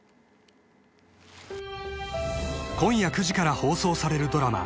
［今夜９時から放送されるドラマ］